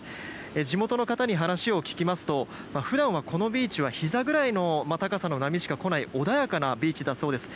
地元の方に話を聞きますと普段はこのビーチはひざぐらいの高さの波しか来ない穏やかなビーチだそうです。